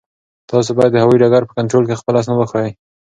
تاسو باید د هوایي ډګر په کنټرول کې خپل اسناد وښایئ.